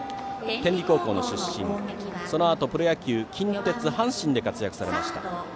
天理高校の出身でそのあとプロ野球近鉄、阪神で活躍されました。